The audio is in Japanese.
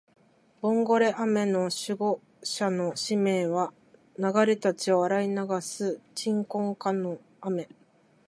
ボンゴレ雨の守護者の使命は、流れた血を洗い流す鎮魂歌の雨